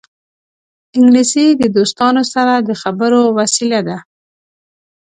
انګلیسي د دوستانو سره د خبرو وسیله ده